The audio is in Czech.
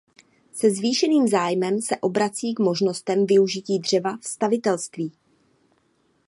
Se zvýšeným zájmem se obrací k možnostem využití dřeva v stavitelství.